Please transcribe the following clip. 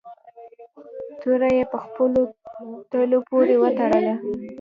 توره یې په خپلو تلو پورې و تړله.